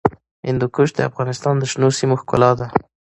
هندوکش د افغانستان د شنو سیمو ښکلا ده.